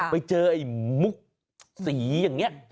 ไปเจอไอ้มุกสีอย่างนี้